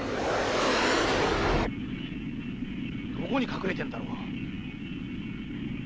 どこに隠れてんだろう。